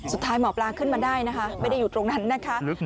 สุดท้ายหมอปลาขึ้นมาได้นะคะไม่ได้อยู่ตรงนั้นนะคะ